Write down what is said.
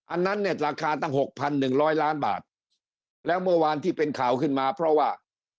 อันนั้นเนี่ยราคาตั้ง๖๑๐๐ล้านบาทแล้วเมื่อวานที่เป็นข่าวขึ้นมาเพราะว่า